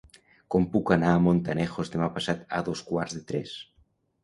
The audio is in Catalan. Com puc anar a Montanejos demà passat a dos quarts de tres?